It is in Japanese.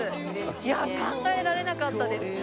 いや考えられなかったです。